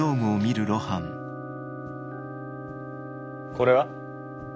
これは？